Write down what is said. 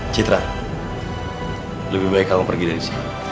citra lebih baik kamu pergi dari sini